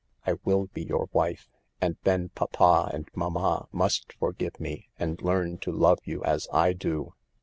I will be your wife, and then papa and mamma must forgive me, and learn to love you as I do."